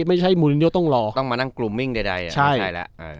ไม่ใช่มูลินโยต้องรอต้องมานั่งกลุ่มมิ่งใดใช่แล้ว